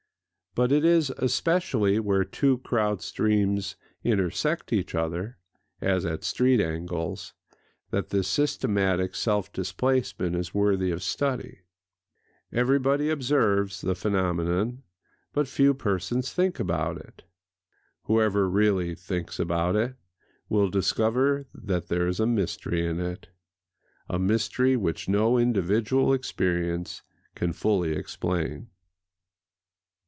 But it is especially where two crowd streams intersect each other, as at street angles, that this systematic self displacement is worthy [Pg 206] of study. Everybody observes the phenomenon; but few persons think about it. Whoever really thinks about it will discover that there is a mystery in it,—a mystery which no individual experience can fully explain.